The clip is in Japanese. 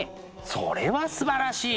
それはすばらしい！